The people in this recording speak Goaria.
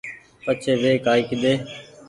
پڇي وي ڪآئي ڪيۮي